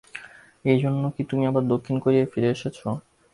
এজন্যই কি তুমি আবার দক্ষিণ কোরিয়ায় ফিরে এসেছ?